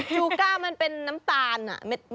ชูก้ามันเป็นน้ำตาลอ่ะเม็ด